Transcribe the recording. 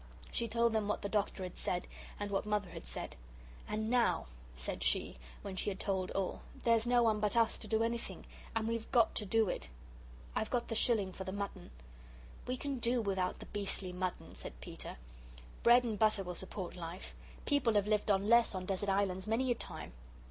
She told them what the Doctor had said, and what Mother had said. "And now," said she, when she had told all, "there's no one but us to do anything, and we've got to do it. I've got the shilling for the mutton." "We can do without the beastly mutton," said Peter; "bread and butter will support life. People have lived on less on desert islands many a time."